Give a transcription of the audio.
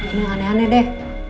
ini aneh aneh deh